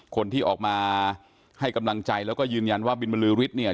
คนที่ออกมาให้กำลังใจแล้วก็ยืนยันว่าบินบรือฤทธิ์เนี่ย